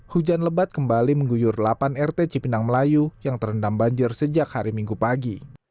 hujan lebat kembali mengguyur delapan rt cipinang melayu yang terendam banjir sejak hari minggu pagi